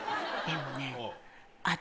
でもね。